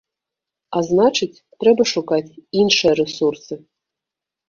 А значыць, трэба шукаць іншыя рэсурсы.